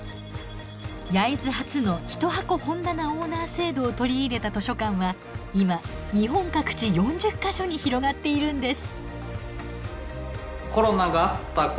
焼津発の一箱本棚オーナー制度を取り入れた図書館は今日本各地４０か所に広がっているんです。